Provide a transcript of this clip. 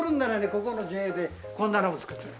ここのＪＡでこんなのも作ってる。